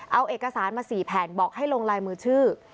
เอาเอกสารมา๔แผ่นบอกให้ลงลายมือชื่อ